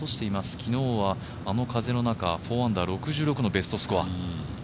昨日はあの風の中、４アンダー６６のベストスコア。